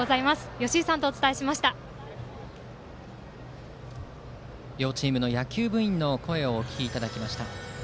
よしいさんとお伝えしました両チームの野球部員の声をお聞きいただきました。